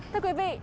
thưa quý vị